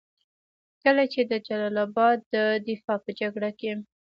کله چې د جلال اباد د دفاع په جګړه کې.